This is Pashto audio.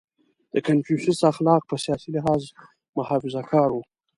• د کنفوسیوس اخلاق په سیاسي لحاظ محافظهکار وو.